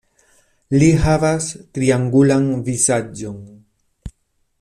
Li havas triangulan vizaĝon.